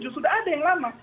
sudah ada yang lama